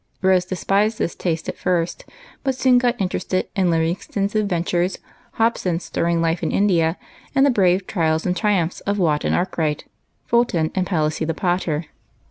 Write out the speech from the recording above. Rose despised this taste at first, but soon got interested in Livingstone's adventures, Hob son's stirring life in India, and the brave trials and triumj^hs of Watt and Arkwright, Fulton, and " Pal issy, the Potter."